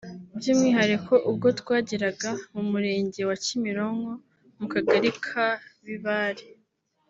By’umwihariko ubwo twageraga mu Murenge wa Kimironko mu Kagari ka Bibare